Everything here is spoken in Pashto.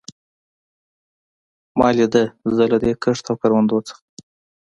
ما لیده، زه له دې کښت او کروندو څخه.